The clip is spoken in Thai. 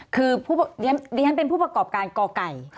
คือเดี๋ยวไปเป็นผู้ประกอบการก่าก๋าย